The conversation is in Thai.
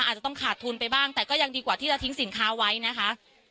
อาจจะต้องขาดทุนไปบ้างแต่ก็ยังดีกว่าที่จะทิ้งสินค้าไว้นะคะ